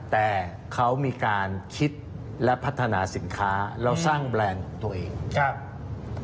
แต่เขามีการคิดและพัฒนาสินค้าแล้วสร้างแบรนด์ของตัวเองครับ